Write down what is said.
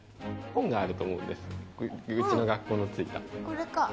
これか。